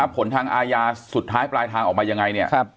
ถ้าผลทางอายาสุดท้ายปลายทางออกมายังไง